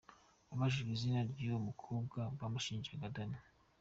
Abajijwe izina ryuwo mukobwa bamushinjaga, Danny.